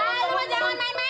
taruh taruh taruh